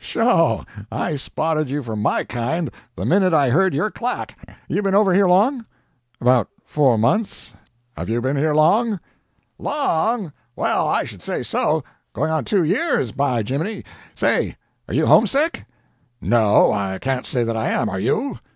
"Sho! I spotted you for MY kind the minute I heard your clack. You been over here long?" "About four months. Have you been over long?" "LONG? Well, I should say so! Going on two YEARS, by geeminy! Say, are you homesick?" "No, I can't say that I am. Are you?"